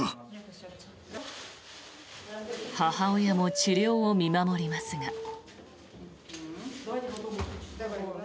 母親も治療を見守りますが。